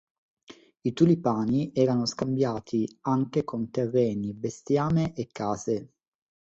I tulipani erano scambiati anche con terreni, bestiame, e case.